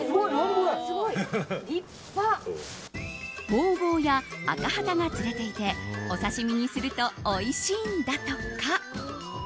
ホウボウやアカハタが釣れていてお刺し身にするとおいしいんだとか。